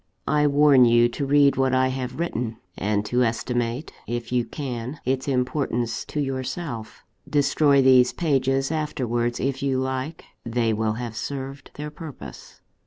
I warn you to read what I have written, and to estimate, if you can, its importance to yourself. Destroy these pages afterwards if you like they will have served their purpose.